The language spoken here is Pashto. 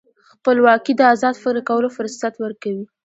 خپلواکي د ازاد فکر کولو فرصت ورکوي.